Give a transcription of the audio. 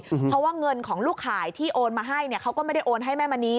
เพราะว่าเงินของลูกขายที่โอนมาให้เนี่ยเขาก็ไม่ได้โอนให้แม่มณี